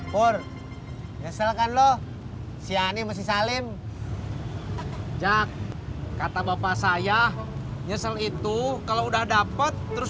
pur nyesel kan lo ciany masih salim jak kata bapak saya nyesel itu kalau udah dapat terus